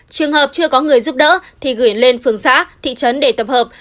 trường hợp chưa có người giúp đỡ thì gửi lên phường xã thị trấn để tập hợp